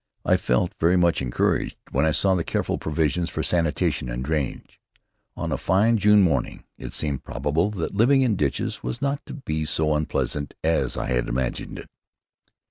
I felt very much encouraged when I saw the careful provisions for sanitation and drainage. On a fine June morning it seemed probable that living in ditches was not to be so unpleasant as I had imagined it.